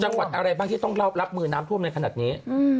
จังหวัดอะไรบ้างที่ต้องรับมือน้ำท่วมในขณะนี้